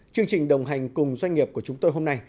chương trình đồng hành cùng doanh nghiệp của chúng tôi hôm nay